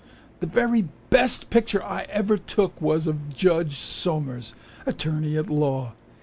The very best picture I ever took Was of Judge Somers, attorney at law.